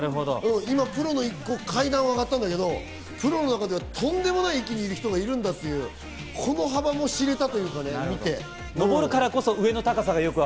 今プロの１個、階段を上がったんだけど、プロの中にはとんでもない域にいる人がいるんだと、この幅も知れた。